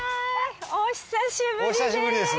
お久しぶりです。